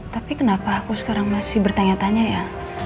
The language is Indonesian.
tapi kenapa aku sekarang masih bertanya tanya ya